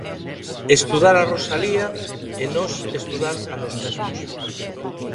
Estudar a Rosalía é nos estudar a nós mesmos.